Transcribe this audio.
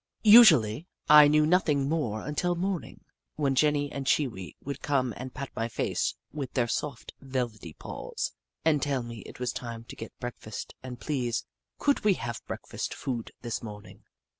Usually, I knew nothing more until morning, when Jenny and Chee Wee would come and pat my face with their soft, velvety paws, and tell me it was time to get breakfast, and, please, could we have breakfast food this morning